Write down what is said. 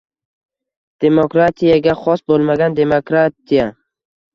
Demokratiyaga xos bo‘lmagan «demokratiya»